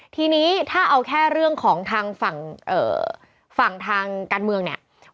ทีนี้ถ้าเอาแค่เรื่องของทางฝั่งทางการเมืองเนี่ย